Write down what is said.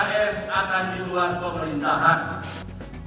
meskipun saat ini partai demokrat berada di luar perusahaan sosial